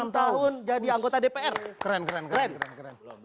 dua puluh enam tahun jadi anggota dpr keren keren keren keren